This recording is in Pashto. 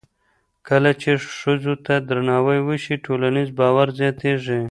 کله چې ښځو ته درناوی وشي، ټولنیز باور زیاتېږي.